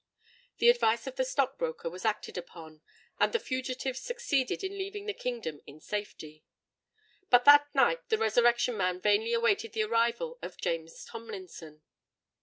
The advice of the stock broker was acted upon; and the fugitives succeeded in leaving the kingdom in safety. But that night the Resurrection Man vainly awaited the arrival of James Tomlinson.